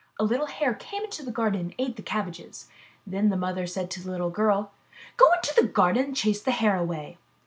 A little Hare came into the garden and ate the cab bages. Then the mother said to the little girl: Go into the garden and chase the Hare away."